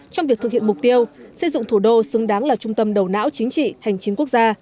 trong việc thực hiện mục tiêu xây dựng thủ đô xứng đáng là trung tâm đầu não chính trị hành chính quốc gia